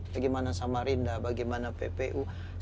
bagaimana samarinda bagaimana ppu